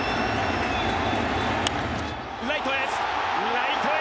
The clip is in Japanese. ライトへ！